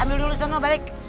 ambil dulu seno balik